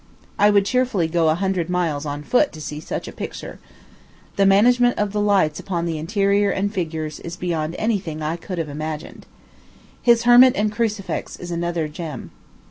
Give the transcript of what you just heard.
I would cheerfully go a hundred miles on foot to see such a picture. The management of the lights upon the interior and figures is beyond any thing I have imagined. His Hermit and Crucifix is another gem.